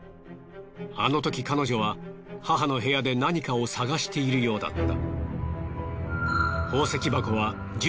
あのとき彼女は母の部屋で何かを探しているようだった。